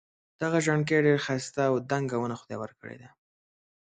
دغه ژڼکی ډېر ښایسته او دنګه ونه خدای ورکړي ده.